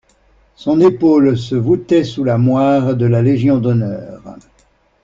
Son épaule se voûtait sous la moire de la Légion d'honneur.